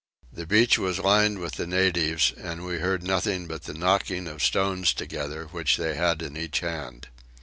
The beach was lined with the natives and we heard nothing but the knocking of stones together, which they had in each hand.